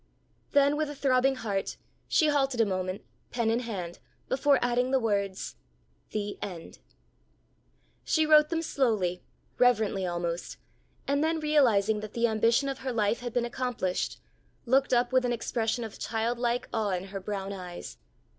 Then with a throbbing heart, she halted a moment, pen in hand, before adding the words, The End. She wrote them slowly, reverently almost, and then realizing that the ambition of her life had been accomplished, looked up with an expression of child like awe in her brown eyes.